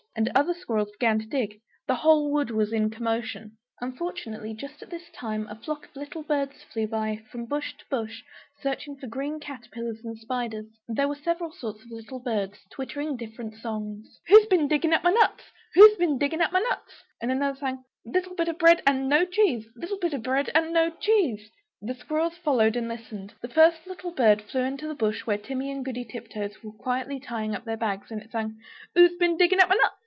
And other squirrels began to dig, the whole wood was in commotion! Unfortunately, just at this time a flock of little birds flew by, from bush to bush, searching for green caterpillars and spiders. There were several sorts of little birds, twittering different songs. The first one sang "Who's bin digging up my nuts? Who's been digging up my nuts?" And another sang "Little bita bread and no cheese! Little bit a bread an' no cheese!" The squirrels followed and listened. The first little bird flew into the bush where Timmy and Goody Tiptoes were quietly tying up their bags, and it sang "Who's bin digging up my nuts?